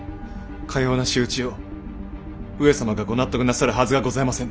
かような仕打ちを上様がご納得なさるはずがございませぬ！